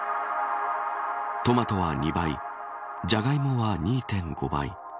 トマトは２倍ジャガイモは２．５倍。